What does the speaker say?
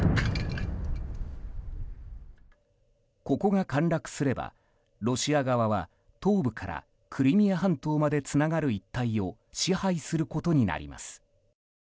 ここが陥落すればロシア側は東部からクリミア半島までつながる一帯を支配することになります。